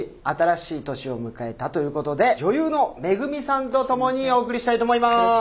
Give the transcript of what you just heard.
新しい年を迎えたということで女優のＭＥＧＵＭＩさんとともにお送りしたいと思います。